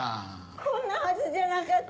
こんなはずじゃなかった！